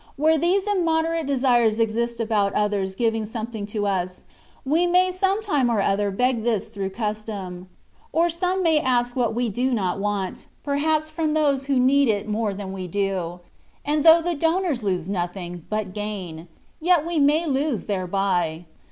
Where these immoderate desires exist about others giving something to us, we may some time or other beg this through custom ; or some may ask what they do not want, perhaps * Not in the original. 6 THE WAY OF PERFECTION. from those who need it more than we do; and though the donors lose nothing, but gain; yet we may lose thereby.